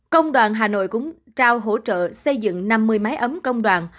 công đoàn hà nội cũng trao hỗ trợ xây dựng năm mươi máy ấm công đoàn